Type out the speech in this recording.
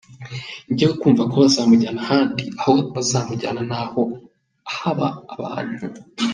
Njyewe kumva ko bazamujyana ahandi aho bazamujyana naho haba abantu.